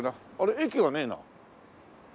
駅がねえな。